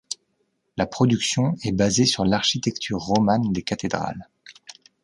La production est basée sur l’architecture romane des cathédrales.